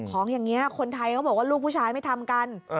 ของอย่างนี้คนไทยเขาบอกว่าลูกผู้ชายไม่ทำกัน